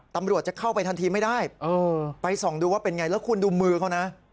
ตำรวจจะเข้าไปทันทีไม่ได้ไปส่องดูว่าเป็นไงแล้วคุณดูมือเขานะ